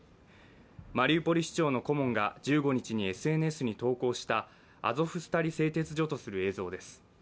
マリウポリ市長の顧問が１５日にＳＮＳに投稿したアゾフスタリ製鉄所とする映像です。